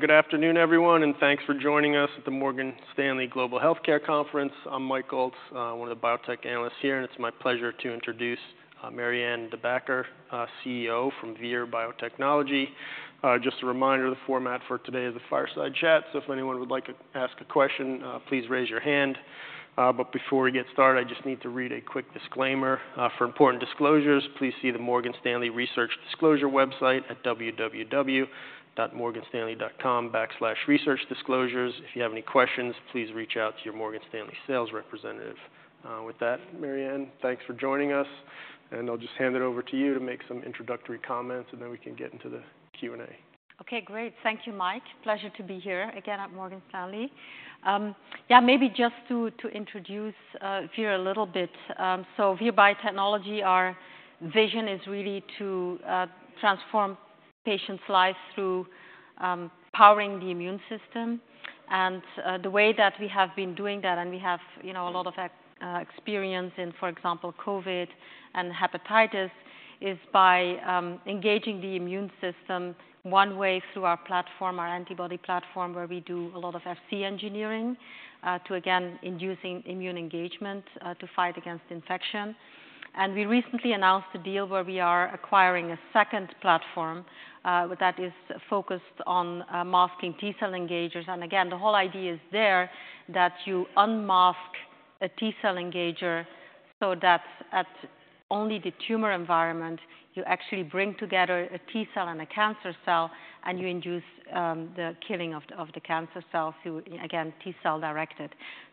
Good afternoon, everyone, and thanks for joining us at the Morgan Stanley Global Healthcare Conference. I'm Mike Ault, one of the biotech analysts here, and it's my pleasure to introduce Marianne De Backer, CEO from Vir Biotechnology. Just a reminder, the format for today is a fireside chat, so if anyone would like to ask a question, please raise your hand. But before we get started, I just need to read a quick disclaimer. "For important disclosures, please see the Morgan Stanley Research Disclosure website at www.morganstanley.com/researchdisclosures. If you have any questions, please reach out to your Morgan Stanley sales representative." With that, Marianne, thanks for joining us, and I'll just hand it over to you to make some introductory comments, and then we can get into the Q&A. Okay, great. Thank you, Mike. Pleasure to be here again at Morgan Stanley. Yeah, maybe just to introduce Vir a little bit. So Vir Biotechnology, our vision is really to transform patients' lives through powering the immune system. And the way that we have been doing that, and we have, you know, a lot of experience in, for example, COVID and hepatitis, is by engaging the immune system one way through our platform, our antibody platform, where we do a lot of Fc engineering to again inducing immune engagement to fight against infection. And we recently announced a deal where we are acquiring a second platform that is focused on masking T-cell engagers. And again, the whole idea is there, that you unmask a T-cell engager so that only at the tumor environment, you actually bring together a T-cell and a cancer cell, and you induce the killing of the cancer cell through, again, T-cell-directed.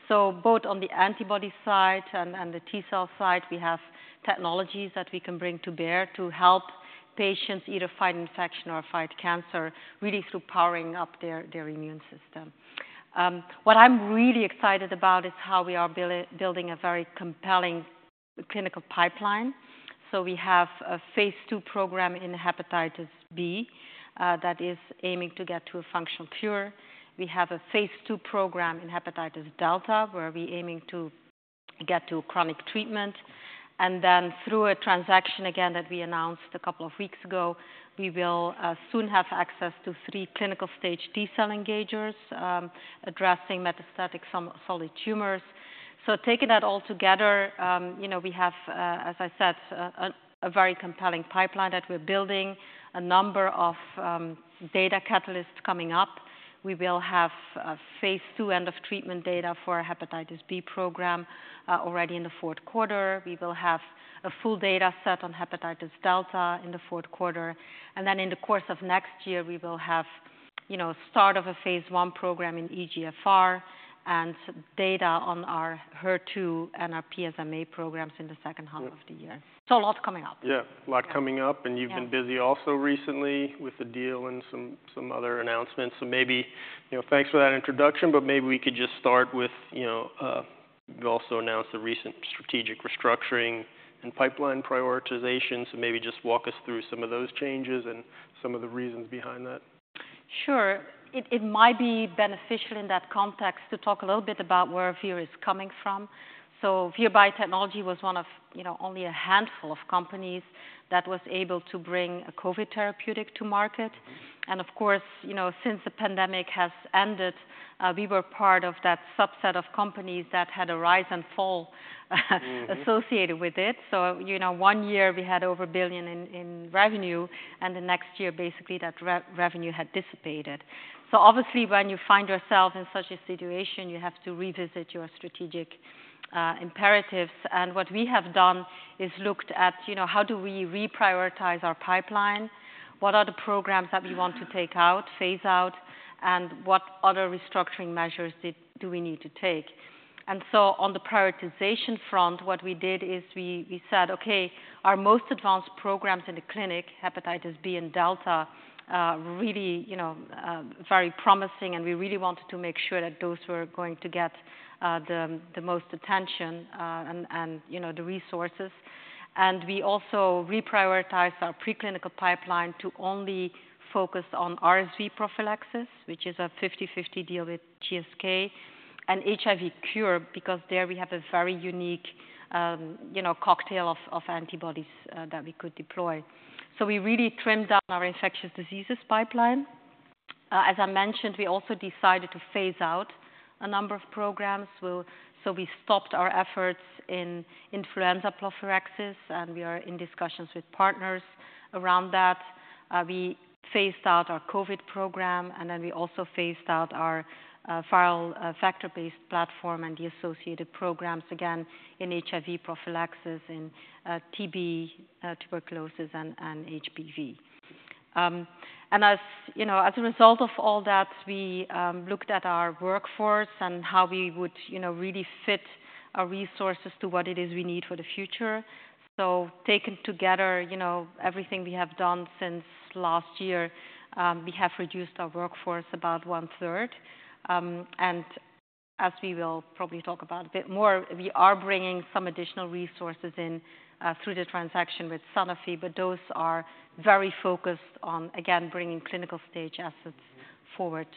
So both on the antibody side and the T-cell side, we have technologies that we can bring to bear to help patients either fight infection or fight cancer, really through powering up their immune system. What I'm really excited about is how we are building a very compelling clinical pipeline. So we have a phase II program in hepatitis B that is aiming to get to a functional cure. We have a phase II program in hepatitis delta, where we're aiming to get to chronic treatment. And then through a transaction, again, that we announced a couple of weeks ago, we will soon have access to three clinical-stage T-cell engagers addressing metastatic solid tumors. So taking that all together, you know, we have, as I said, a very compelling pipeline that we're building. A number of data catalysts coming up. We will have a phase II end-of-treatment data for our hepatitis B program already in the fourth quarter. We will have a full data set on hepatitis delta in the fourth quarter. And then in the course of next year, we will have, you know, start of a phase I program in EGFR and data on our HER2 and our PSMA programs in the second half of the year. Yeah. A lot coming up. Yeah, a lot coming up. Yeah. And you've been busy also recently with the deal and some other announcements. So maybe. You know, thanks for that introduction, but maybe we could just start with, you know, you also announced the recent strategic restructuring and pipeline prioritization. So maybe just walk us through some of those changes and some of the reasons behind that. Sure. It might be beneficial in that context to talk a little bit about where Vir is coming from. So Vir Biotechnology was one of, you know, only a handful of companies that was able to bring a COVID therapeutic to market. Mm-hmm. And of course, you know, since the pandemic has ended, we were part of that subset of companies that had a rise and fall. Mm-hmm. associated with it. So, you know, one year we had over $1 billion in revenue, and the next year, basically, that revenue had dissipated. So obviously, when you find yourself in such a situation, you have to revisit your strategic imperatives. And what we have done is looked at, you know, how do we reprioritize our pipeline? What are the programs that we want to take out, phase out? And what other restructuring measures do we need to take? And so on the prioritization front, what we did is we said: Okay, our most advanced programs in the clinic, hepatitis B and delta, are really, you know, very promising, and we really wanted to make sure that those were going to get the most attention, and you know, the resources. And we also reprioritized our preclinical pipeline to only focus on RSV prophylaxis, which is a fifty-fifty deal with GSK, and HIV cure, because there we have a very unique, you know, cocktail of antibodies that we could deploy. So we really trimmed down our infectious diseases pipeline. As I mentioned, we also decided to phase out a number of programs. So we stopped our efforts in influenza prophylaxis, and we are in discussions with partners around that. We phased out our COVID program, and then we also phased out our viral vector-based platform and the associated programs, again, in HIV prophylaxis, in TB, tuberculosis, and HBV. As you know, as a result of all that, we looked at our workforce and how we would, you know, really fit our resources to what it is we need for the future. Taken together, you know, everything we have done since last year, we have reduced our workforce about one-third. As we will probably talk about a bit more, we are bringing some additional resources in through the transaction with Sanofi, but those are very focused on, again, bringing clinical-stage assets. Mm-hmm... forward,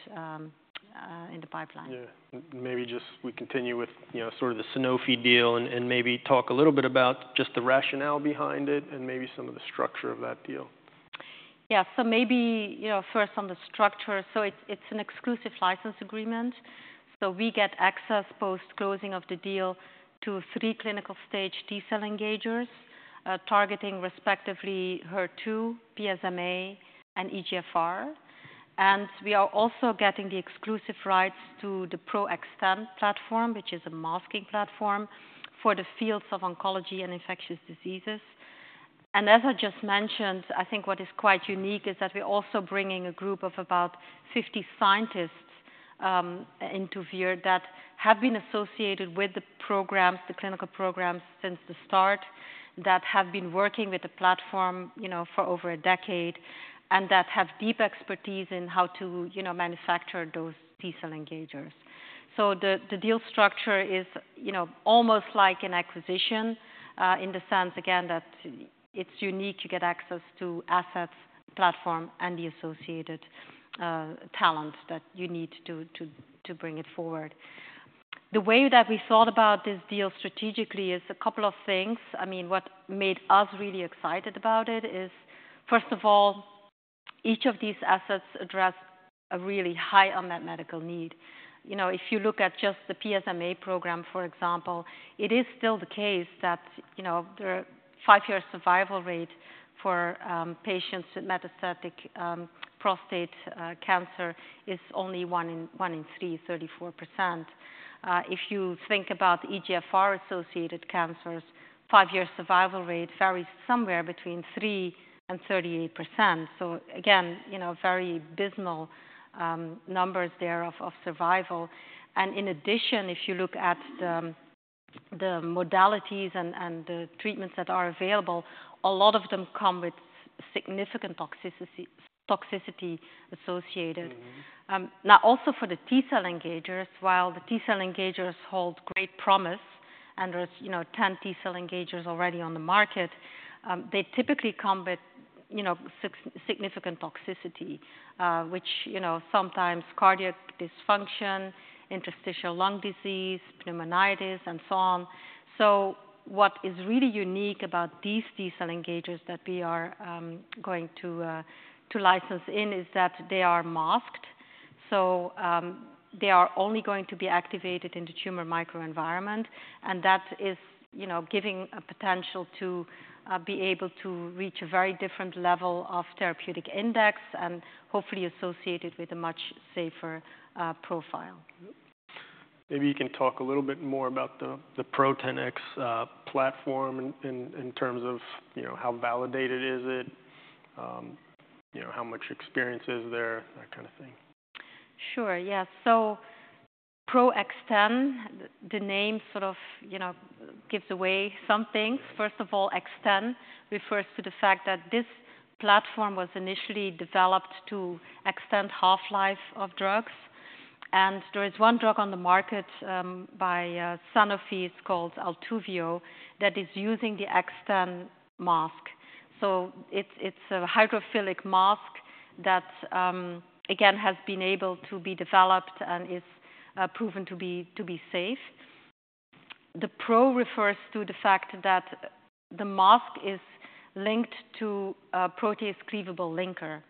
in the pipeline. Yeah. Maybe just we continue with, you know, sort of the Sanofi deal, and maybe talk a little bit about just the rationale behind it and maybe some of the structure of that deal. ... Yeah, so maybe, you know, first on the structure, so it's an exclusive license agreement. So we get access post-closing of the deal to three clinical stage T-cell engagers targeting respectively HER2, PSMA, and EGFR. And we are also getting the exclusive rights to the Pro-XTEN platform, which is a masking platform for the fields of oncology and infectious diseases. And as I just mentioned, I think what is quite unique is that we're also bringing a group of about 50 scientists into Vir that have been associated with the programs, the clinical programs since the start, that have been working with the platform, you know, for over a decade, and that have deep expertise in how to, you know, manufacture those T-cell engagers. So the deal structure is, you know, almost like an acquisition, in the sense, again, that it's unique to get access to assets, platform, and the associated talent that you need to bring it forward. The way that we thought about this deal strategically is a couple of things. I mean, what made us really excited about it is, first of all, each of these assets address a really high unmet medical need. You know, if you look at just the PSMA program, for example, it is still the case that, you know, the five-year survival rate for patients with metastatic prostate cancer is only one in three, 34%. If you think about EGFR-associated cancers, five-year survival rate varies somewhere between 3%-38%. So again, you know, very abysmal numbers there of survival. And in addition, if you look at the modalities and the treatments that are available, a lot of them come with significant toxicity associated. Mm-hmm. Now, also for the T-cell engagers, while the T-cell engagers hold great promise, and there's, you know, 10 T-cell engagers already on the market, they typically come with, you know, significant toxicity, which, you know, sometimes cardiac dysfunction, interstitial lung disease, pneumonitis, and so on. So what is really unique about these T-cell engagers that we are going to license in, is that they are masked. So, they are only going to be activated in the tumor microenvironment, and that is, you know, giving a potential to be able to reach a very different level of therapeutic index, and hopefully associated with a much safer profile. Maybe you can talk a little bit more about the Pro-XTEN platform in terms of, you know, how validated is it? You know, how much experience is there? That kind of thing. Sure. Yeah. So Pro-XTEN, the name sort of, you know, gives away some things. First of all, XTEN refers to the fact that this platform was initially developed to extend half-life of drugs, and there is one drug on the market, by Sanofi, it's called ALTUVIIO, that is using the XTEN mask. So it's a hydrophilic mask that again has been able to be developed and is proven to be safe. The Pro refers to the fact that the mask is linked to a protease cleavable linker,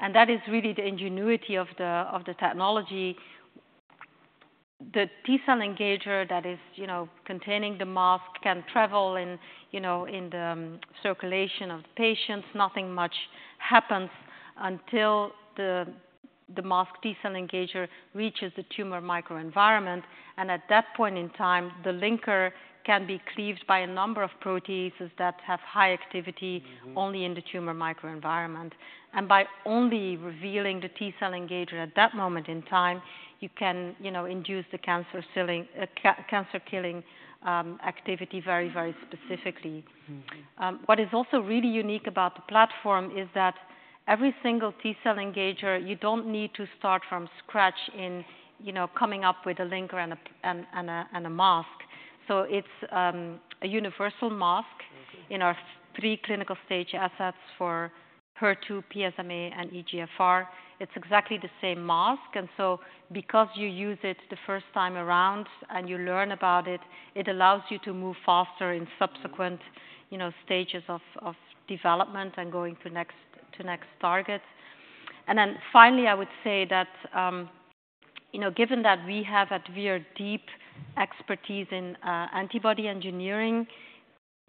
and that is really the ingenuity of the technology. The T-cell engager that is, you know, containing the mask can travel in, you know, in the circulation of patients. Nothing much happens until the masked T-cell engager reaches the tumor microenvironment, and at that point in time, the linker can be cleaved by a number of proteases that have high activity- Mm-hmm. Only in the tumor microenvironment. And by only revealing the T-cell engager at that moment in time, you know, induce the cancer killing activity very, very specifically. Mm-hmm. What is also really unique about the platform is that every single T-cell engager, you don't need to start from scratch in, you know, coming up with a linker and a protease and a mask. So it's a universal mask- Mm-hmm. in our pre-clinical stage assets for HER2, PSMA, and EGFR. It's exactly the same mask, and so because you use it the first time around and you learn about it, it allows you to move faster in subsequent- You know, stages of development and going to next target, and then finally I would say that, you know, given that we have at Vir deep expertise in antibody engineering,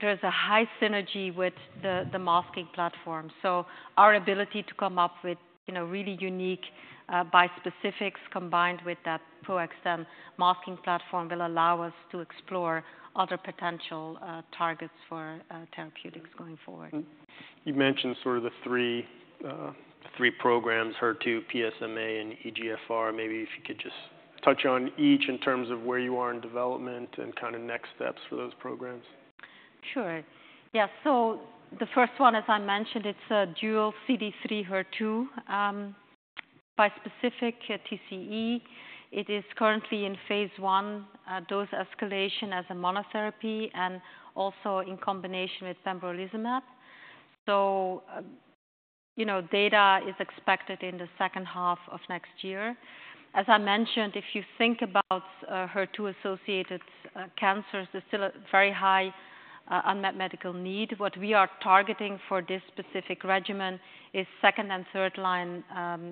there's a high synergy with the masking platform. So our ability to come up with, you know, really unique bispecifics, combined with that Pro-XTEN masking platform, will allow us to explore other potential targets for therapeutics going forward. Mm-hmm. You mentioned sort of the three programs, HER2, PSMA, and EGFR. Maybe if you could just touch on each in terms of where you are in development and kind of next steps for those programs? Sure. Yeah, so the first one, as I mentioned, it's a dual CD3 HER2, bispecific TCE. It is currently in phase I, dose escalation as a monotherapy and also in combination with pembrolizumab. So, you know, data is expected in the second half of next year. As I mentioned, if you think about, HER2-associated, unmet medical need. What we are targeting for this specific regimen is second and third line,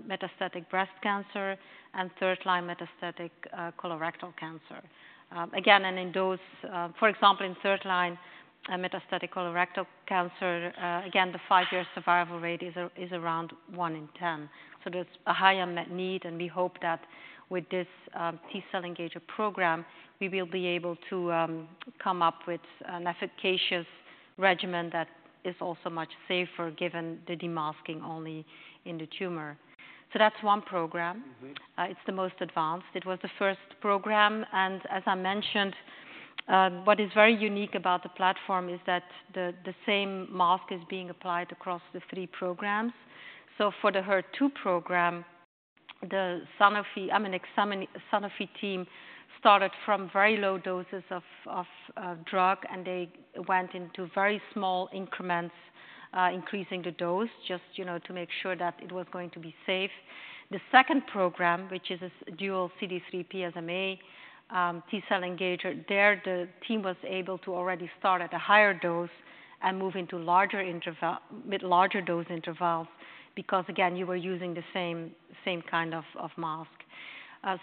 metastatic breast cancer and third line metastatic, colorectal cancer. Again, and in those, for example, in third line, metastatic colorectal cancer, again, the five-year survival rate is around one in ten. So there's a high unmet need, and we hope that with this, T-cell engager program, we will be able to come up with an efficacious regimen that is also much safer, given the de-masking only in the tumor. So that's one program. It's the most advanced. It was the first program, and as I mentioned, what is very unique about the platform is that the same mask is being applied across the three programs. So for the HER2 program, the Sanofi, I mean, Sanofi team started from very low doses of drug, and they went into very small increments, increasing the dose, just, you know, to make sure that it was going to be safe. The second program, which is a dual CD3 PSMA T-cell engager, there the team was able to already start at a higher dose and move into larger dose intervals, because again, you were using the same kind of mask.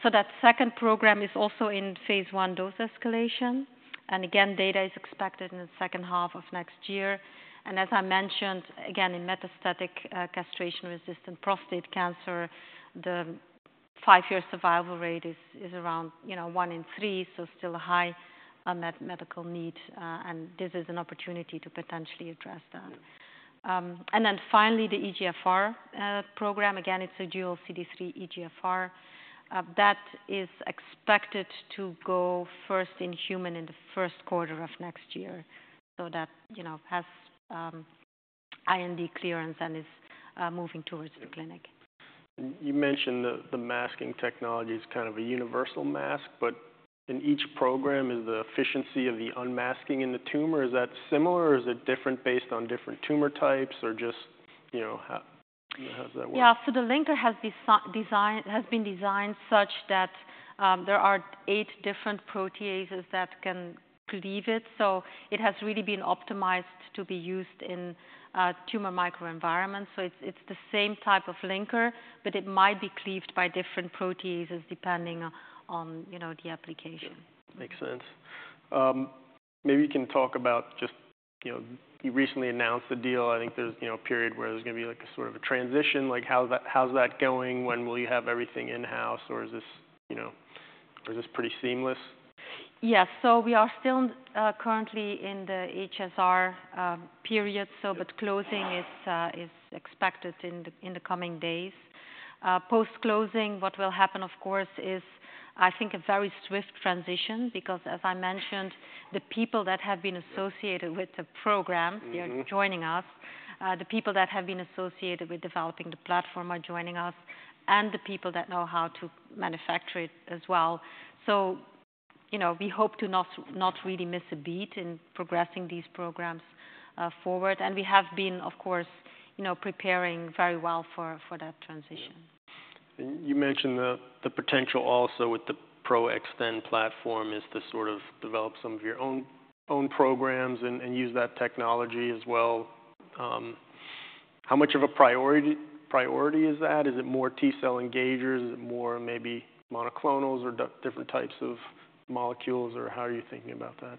So that second program is also in phase I dose escalation, and again, data is expected in the second half of next year. As I mentioned, again, in metastatic, castration-resistant prostate cancer, the five-year survival rate is around, you know, one in three, so still a high unmet medical need, and this is an opportunity to potentially address that. And then finally, the EGFR program, again, it's a dual CD3 EGFR. That is expected to go first in human in the first quarter of next year. So that, you know, has IND clearance and is moving towards the clinic. You mentioned the masking technology is kind of a universal mask, but in each program, is the efficiency of the unmasking in the tumor similar, or is it different based on different tumor types, or just, you know, how does that work? Yeah. So the linker has been designed such that there are eight different proteases that can cleave it, so it has really been optimized to be used in a tumor microenvironment. So it's the same type of linker, but it might be cleaved by different proteases, depending on, you know, the application. Makes sense. Maybe you can talk about just... You know, you recently announced the deal. I think there's, you know, a period where there's gonna be, like, a sort of a transition. Like, how's that going? When will you have everything in-house, or is this, you know, or is this pretty seamless? Yes. So we are still currently in the HSR period, so but closing is expected in the coming days. Post-closing, what will happen, of course, is, I think, a very swift transition, because as I mentioned, the people that have been associated with the program- Mm-hmm... they are joining us. The people that have been associated with developing the platform are joining us, and the people that know how to manufacture it as well. So, you know, we hope to not really miss a beat in progressing these programs forward. And we have been, of course, you know, preparing very well for that transition. And you mentioned the potential also with the Pro-XTEN platform is to sort of develop some of your own programs and use that technology as well. How much of a priority is that? Is it more T-cell engagers? Is it more maybe monoclonals or different types of molecules, or how are you thinking about that?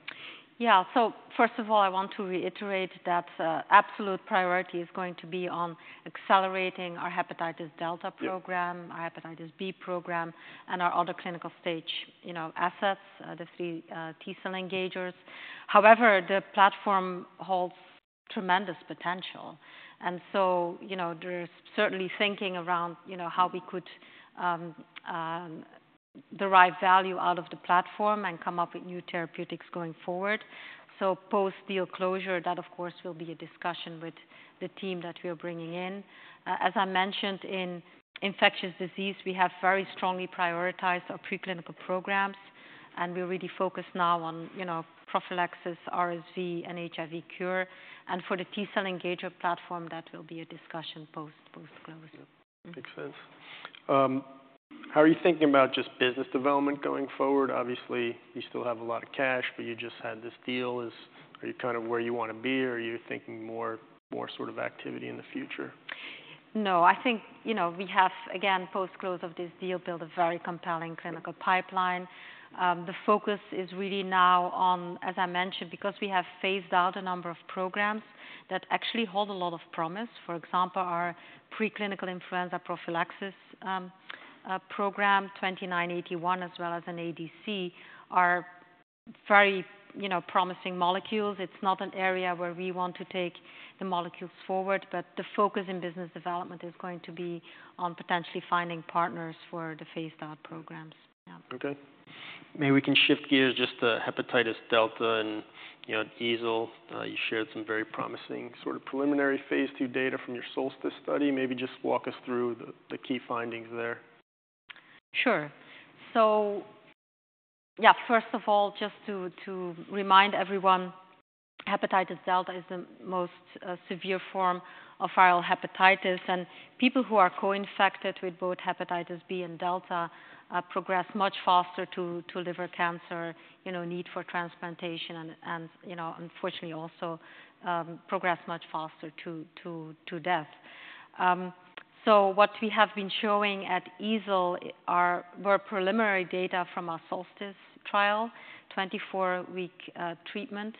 Yeah. So first of all, I want to reiterate that absolute priority is going to be on accelerating our hepatitis delta program. Yeah... our hepatitis B program, and our other clinical stage, you know, assets, the three T-cell engagers. However, the platform holds tremendous potential, and so, you know, there is certainly thinking around, you know, how we could derive value out of the platform and come up with new therapeutics going forward. So post-deal closure, that, of course, will be a discussion with the team that we are bringing in. As I mentioned, in infectious disease, we have very strongly prioritized our preclinical programs, and we're really focused now on, you know, prophylaxis, RSV, and HIV cure. And for the T-cell engager platform, that will be a discussion post-close. Makes sense. How are you thinking about just business development going forward? Obviously, you still have a lot of cash, but you just had this deal. Are you kind of where you want to be, or are you thinking more sort of activity in the future? No, I think, you know, we have, again, post-close of this deal, built a very compelling clinical pipeline. The focus is really now on, as I mentioned, because we have phased out a number of programs that actually hold a lot of promise. For example, our preclinical influenza prophylaxis program, VIR-2981, as well as an ADC, are very, you know, promising molecules. It's not an area where we want to take the molecules forward, but the focus in business development is going to be on potentially finding partners for the phased-out programs. Yeah. Okay. Maybe we can shift gears, just the hepatitis delta and, you know, EASL. You shared some very promising sort of preliminary phase II data from your SOLSTICE study. Maybe just walk us through the key findings there. Sure. So yeah, first of all, just to remind everyone, hepatitis delta is the most severe form of viral hepatitis, and people who are co-infected with both hepatitis B and delta progress much faster to liver cancer, you know, need for transplantation and, you know, unfortunately also progress much faster to death. So what we have been showing at EASL were preliminary data from our SOLSTICE trial, 24-week treatment.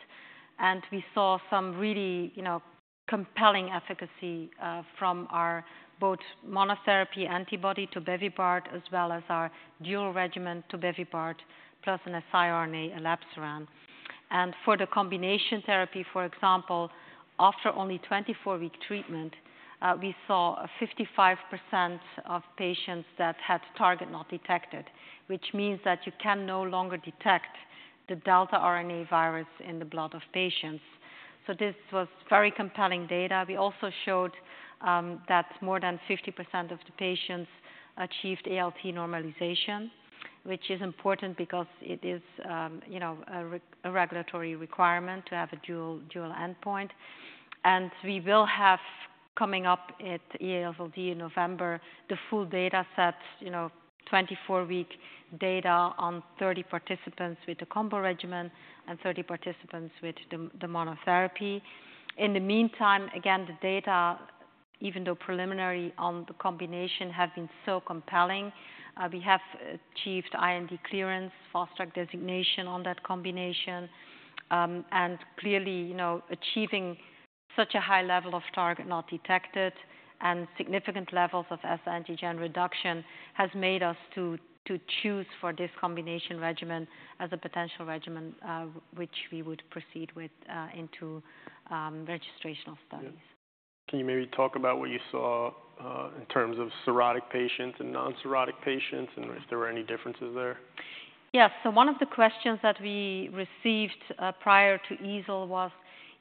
And we saw some really, you know, compelling efficacy from our both monotherapy antibody tobevibart, as well as our dual regimen tobevibart plus an siRNA elebsiran. For the combination therapy, for example, after only 24-week treatment, we saw 55% of patients that had target not detected, which means that you can no longer detect the delta RNA virus in the blood of patients. This was very compelling data. We also showed that more than 50% of the patients achieved ALT normalization, which is important because it is, you know, a regulatory requirement to have a dual endpoint. We will have coming up at AASLD in November the full data set, you know, 24-week data on 30 participants with the combo regimen and 30 participants with the monotherapy. In the meantime, again, the data, even though preliminary on the combination, have been so compelling. We have achieved IND clearance, Fast Track designation on that combination. And clearly, you know, achieving such a high level of target not detected and significant levels of S antigen reduction has made us to choose for this combination regimen as a potential regimen, which we would proceed with into registrational studies. Can you maybe talk about what you saw in terms of cirrhotic patients and non-cirrhotic patients, and if there were any differences there? Yeah. So one of the questions that we received prior to EASL was,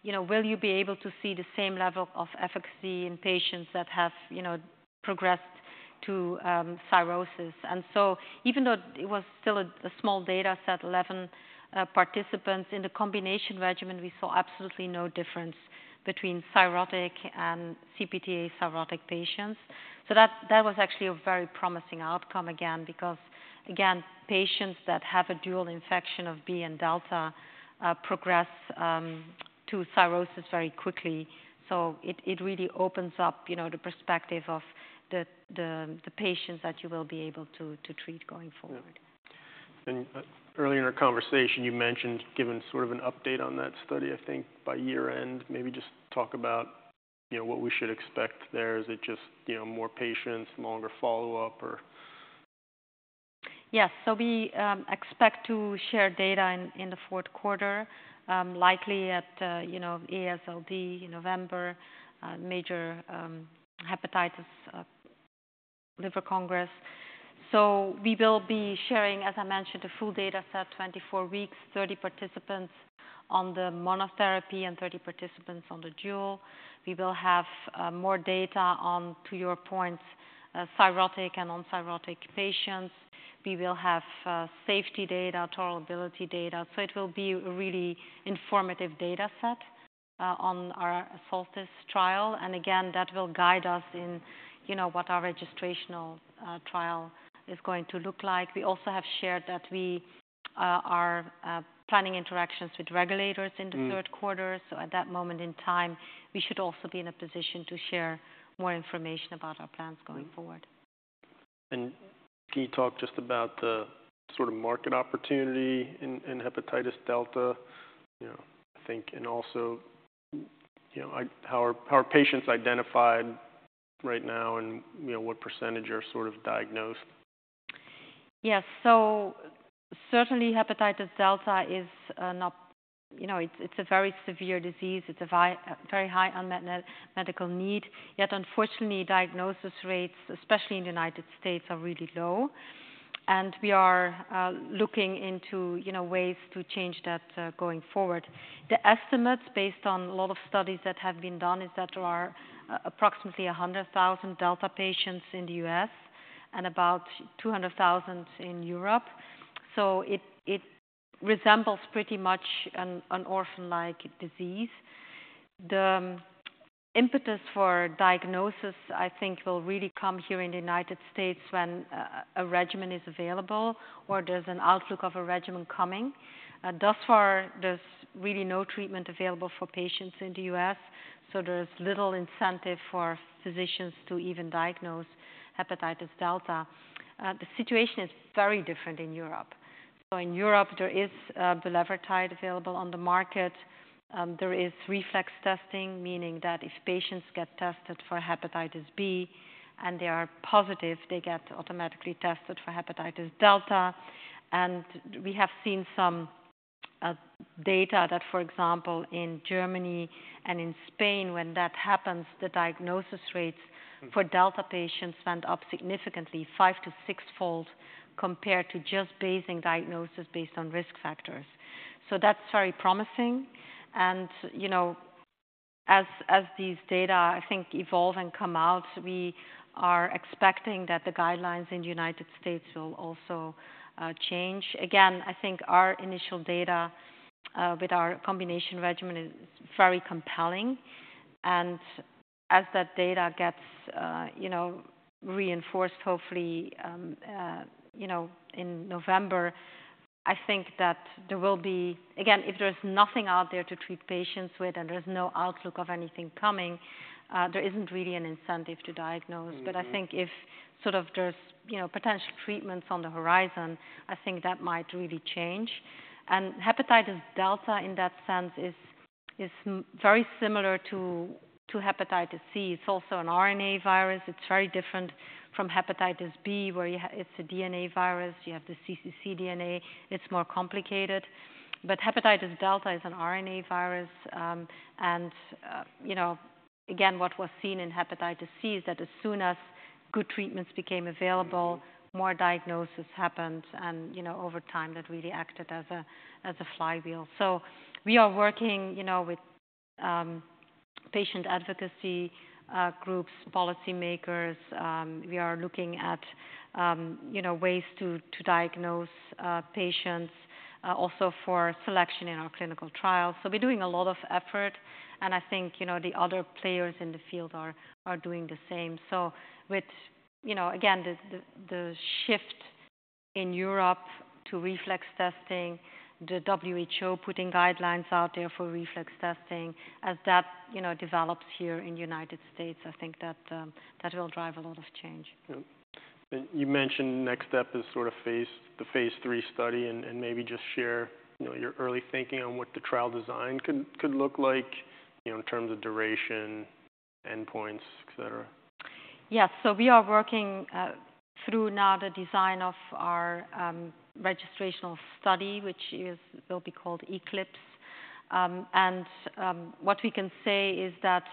you know, will you be able to see the same level of efficacy in patients that have, you know, progressed to cirrhosis? And so even though it was still a small data set, 11 participants in the combination regimen, we saw absolutely no difference between cirrhotic and CPT-A cirrhotic patients. So that was actually a very promising outcome again, because, again, patients that have a dual infection of B and delta progress to cirrhosis very quickly. So it really opens up, you know, the perspective of the patients that you will be able to treat going forward. Yeah, and earlier in our conversation, you mentioned giving sort of an update on that study, I think, by year-end. Maybe just talk about, you know, what we should expect there. Is it just, you know, more patients, longer follow-up or? Yes. So we expect to share data in the fourth quarter, likely at, you know, AASLD in November, major hepatitis liver congress. So we will be sharing, as I mentioned, the full data set, 24 weeks, 30 participants on the monotherapy and 30 participants on the dual. We will have more data on, to your point, cirrhotic and non-cirrhotic patients. We will have safety data, tolerability data, so it will be a really informative data set on our SOLSTICE trial. And again, that will guide us in, you know, what our registrational trial is going to look like. We also have shared that we are planning interactions with regulators in the third quarter. Mm. So at that moment in time, we should also be in a position to share more information about our plans going forward. Can you talk just about the sort of market opportunity in hepatitis delta? You know, I think and also, you know, like how are patients identified right now and, you know, what percentage are sort of diagnosed? Yes. So certainly hepatitis delta is not... You know, it's, it's a very severe disease. It's a very high unmet medical need, yet unfortunately, diagnosis rates, especially in the United States, are really low, and we are looking into, you know, ways to change that going forward. The estimates, based on a lot of studies that have been done, is that there are approximately 100,000 delta patients in the U.S. and about 200,000 in Europe. So it, it resembles pretty much an, an orphan-like disease. The impetus for diagnosis, I think, will really come here in the United States when a regimen is available or there's an outlook of a regimen coming. Thus far, there's really no treatment available for patients in the U.S., so there's little incentive for physicians to even diagnose hepatitis delta. The situation is very different in Europe, so in Europe there is bulevirtide available on the market. There is reflex testing, meaning that if patients get tested for hepatitis B and they are positive, they get automatically tested for hepatitis delta, and we have seen some data that, for example, in Germany and in Spain, when that happens, the diagnosis rates- Mm... for delta patients went up significantly, five- to sixfold, compared to just basing diagnosis based on risk factors. So that's very promising. And, you know, as these data, I think, evolve and come out, we are expecting that the guidelines in the United States will also change. Again, I think our initial data with our combination regimen is very compelling. And as that data gets, you know, reinforced, hopefully, you know, in November-... I think that there will be, again, if there's nothing out there to treat patients with, and there's no outlook of anything coming, there isn't really an incentive to diagnose. Mm-hmm. But I think if sort of there's, you know, potential treatments on the horizon, I think that might really change. And hepatitis delta, in that sense, is very similar to hepatitis C. It's also an RNA virus. It's very different from hepatitis B, where it's a DNA virus. You have the cccDNA, it's more complicated. But hepatitis delta is an RNA virus. And you know, again, what was seen in hepatitis C is that as soon as good treatments became available- Mm-hmm. More diagnosis happened, and, you know, over time, that really acted as a flywheel. So we are working, you know, with patient advocacy groups, policymakers. We are looking at, you know, ways to diagnose patients also for selection in our clinical trials. So we're doing a lot of effort, and I think, you know, the other players in the field are doing the same. So with, you know, again, the shift in Europe to reflex testing, the WHO putting guidelines out there for reflex testing, as that, you know, develops here in the United States, I think that will drive a lot of change. Yep. And you mentioned next step is sort of phase, the phase III study, and maybe just share, you know, your early thinking on what the trial design could look like, you know, in terms of duration, endpoints, et cetera. Yes. So we are working through now the design of our registrational study, which will be called ECLIPSE. And what we can say is that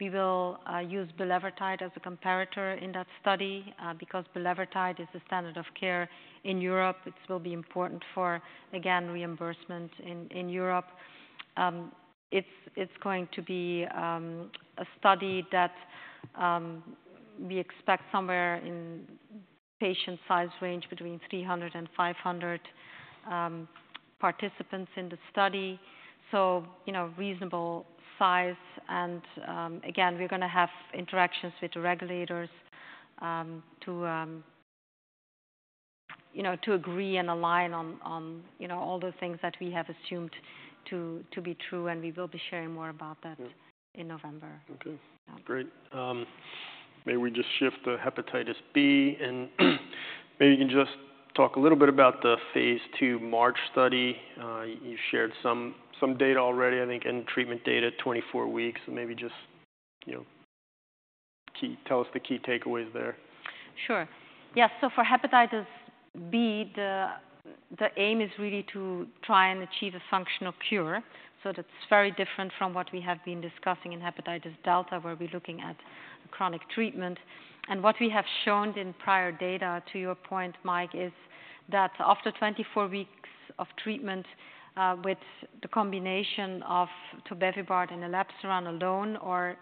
we will use bulevirtide as a comparator in that study. Because bulevirtide is the standard of care in Europe, it will be important for, again, reimbursement in Europe. It's going to be a study that we expect somewhere in patient size range between three hundred and five hundred participants in the study. So, you know, reasonable size, and again, we're gonna have interactions with the regulators to, you know, to agree and align on, you know, all the things that we have assumed to be true, and we will be sharing more about that- Yeah. -in November. Okay, great. May we just shift to hepatitis B, and maybe you can just talk a little bit about the phase II MARCH study. You shared some, some data already, I think, end treatment data at twenty-four weeks, and maybe just, you know, key... Tell us the key takeaways there. Sure. Yeah, so for hepatitis B, the aim is really to try and achieve a functional cure. So that's very different from what we have been discussing in hepatitis delta, where we're looking at chronic treatment. And what we have shown in prior data, to your point, Mike, is that after twenty-four weeks of treatment, with the combination of tobevibart and elebsiran alone or,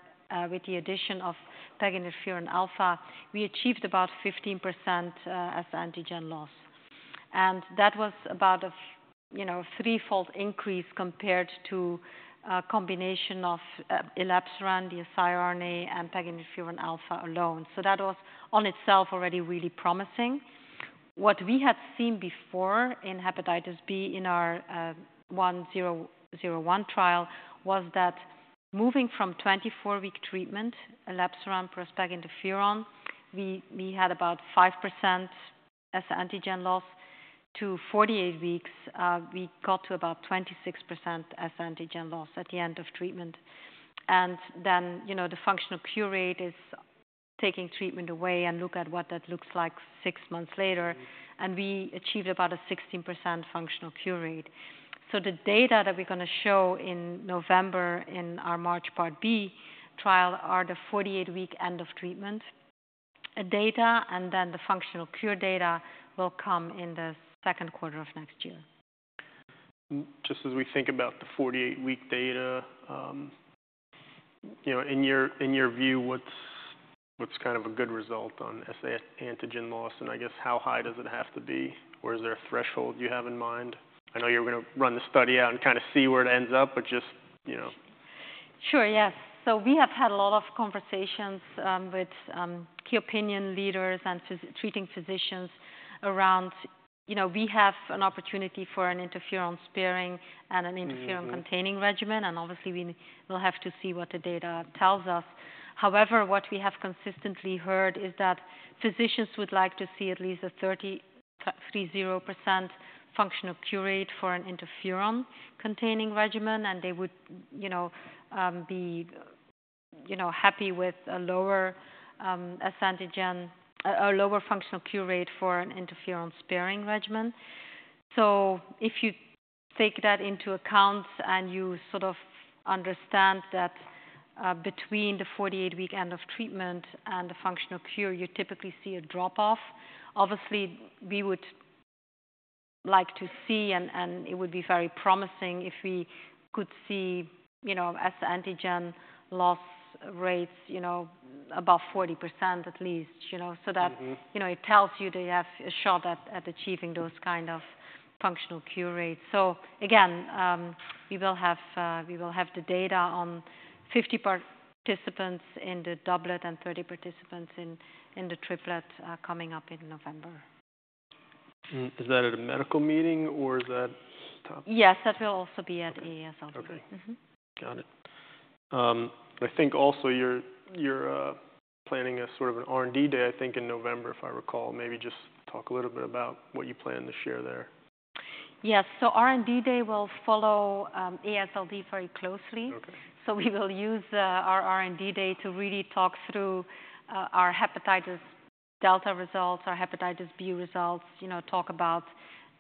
with the addition of peginterferon alfa, we achieved about 15%, S antigen loss. And that was about a, you know, threefold increase compared to a combination of, elebsiran, the siRNA, and peginterferon alfa alone. So that was on itself already really promising. What we had seen before in hepatitis B in our, 1001 trial, was that moving from twenty-four-week treatment, elebsiran plus peginterferon, we had about 5% S antigen loss. To 48 weeks, we got to about 26% S antigen loss at the end of treatment. Then, you know, the functional cure rate is taking treatment away and look at what that looks like six months later. Mm-hmm. We achieved about a 16% functional cure rate. The data that we're gonna show in November in our MARCH Part B trial are the 48-week end of treatment data, and then the functional cure data will come in the second quarter of next year. Just as we think about the 48-week data, you know, in your view, what's kind of a good result on S antigen loss? And I guess, how high does it have to be, or is there a threshold you have in mind? I know you're gonna run the study out and kinda see where it ends up, but just, you know. Sure, yes. So we have had a lot of conversations with key opinion leaders and treating physicians around. You know, we have an opportunity for an interferon sparing and an- Mm-hmm... interferon-containing regimen, and obviously we will have to see what the data tells us. However, what we have consistently heard is that physicians would like to see at least a 30% functional cure rate for an interferon-containing regimen, and they would, you know, be, you know, happy with a lower antigen, a lower functional cure rate for an interferon-sparing regimen. So if you take that into account, and you sort of understand that, between the 48-week end of treatment and the functional cure, you typically see a drop-off. Obviously, we would like to see, and it would be very promising, if we could see, you know, as antigen loss rates, you know, above 40% at least, you know- Mm-hmm. So that, you know, it tells you that you have a shot at achieving those kind of functional cure rates. So again, we will have the data on 50 participants in the doublet and 30 participants in the triplet are coming up in November. Mm. Is that at a medical meeting or is that- Yes, that will also be at AASLD. Okay. Mm-hmm. Got it. I think also you're planning a sort of an R&D day, I think, in November, if I recall. Maybe just talk a little bit about what you plan to share there? Yes, so R&D day will follow AASLD very closely. Okay. So we will use our R&D day to really talk through our hepatitis delta results, our hepatitis B results. You know, talk about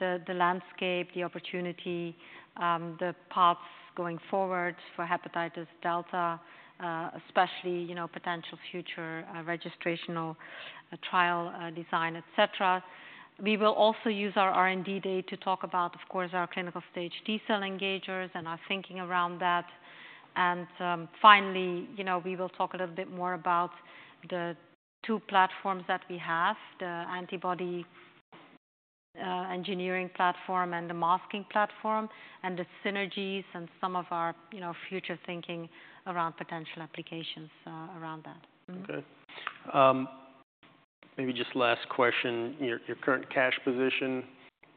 the landscape, the opportunity, the paths going forward for hepatitis delta, especially, you know, potential future registrational trial design, et cetera. We will also use our R&D day to talk about, of course, our clinical stage T cell engagers and our thinking around that. And finally, you know, we will talk a little bit more about the two platforms that we have, the antibody engineering platform and the masking platform, and the synergies and some of our, you know, future thinking around potential applications around that. Mm-hmm. Okay. Maybe just last question, your current cash position,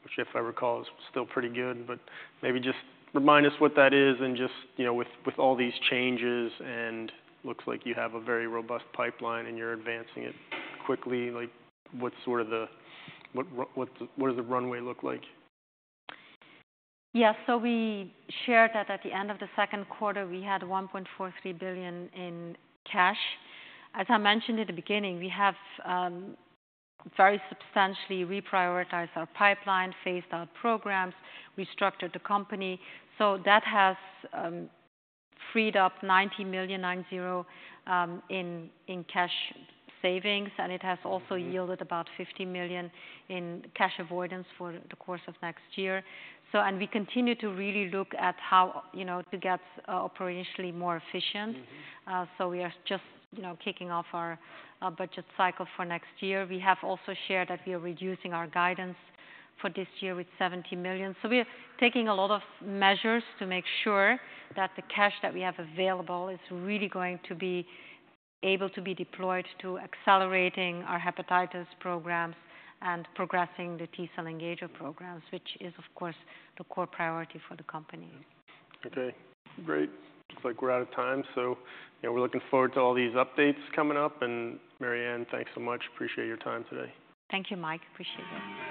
which, if I recall, is still pretty good, but maybe just remind us what that is and just, you know, with all these changes and looks like you have a very robust pipeline and you're advancing it quickly, like, what's sort of the... What does the runway look like? Yeah. So we shared that at the end of the second quarter, we had $1.43 billion in cash. As I mentioned at the beginning, we have very substantially reprioritized our pipeline, phased out programs, restructured the company. So that has freed up $90 million in cash savings, and it has also- Mm-hmm... yielded about $50 million in cash avoidance for the course of next year. So and we continue to really look at how, you know, to get operationally more efficient. Mm-hmm. So we are just, you know, kicking off our budget cycle for next year. We have also shared that we are reducing our guidance for this year with $70 million. So we are taking a lot of measures to make sure that the cash that we have available is really going to be able to be deployed to accelerating our hepatitis programs and progressing the T cell engager programs, which is, of course, the core priority for the company. Okay, great. Looks like we're out of time, so, you know, we're looking forward to all these updates coming up, and Marianne, thanks so much. Appreciate your time today. Thank you, Mike. Appreciate it.